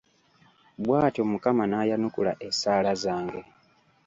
Bw'atyo Mukama n'ayanukula essaala zange.